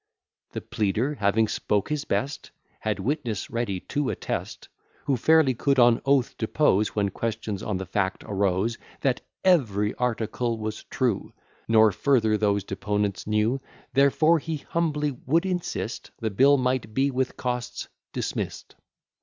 The pleader having spoke his best, Had witness ready to attest, Who fairly could on oath depose, When questions on the fact arose, That every article was true; Nor further those deponents knew: Therefore he humbly would insist, The bill might be with costs dismiss'd.